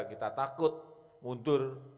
kita takut mundur